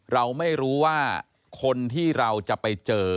เราไม่รู้ว่าคนที่เราจะไปเจอ